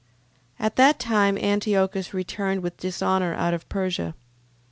9:1. At that time Antiochus returned with dishonour out of Persia.